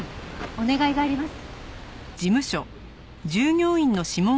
お願いがあります。